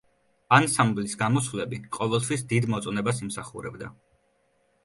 ანსამბლის გამოსვლები ყოველთვის დიდ მოწონებას იმსახურებდა.